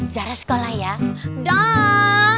zara sekolah ya dah